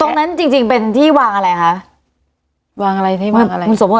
ตรงนั้นจริงจริงเป็นที่วางอะไรคะวางอะไรที่วางอะไรคุณสมพร